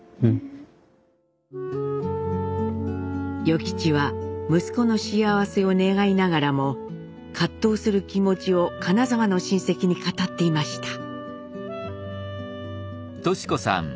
与吉は息子の幸せを願いながらも葛藤する気持ちを金沢の親戚に語っていました。